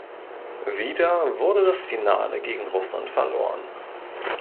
Wieder wurde das Finale gegen Russland verloren.